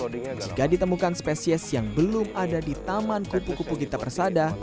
jika ditemukan spesies yang belum ada di taman kupu kupu gita persada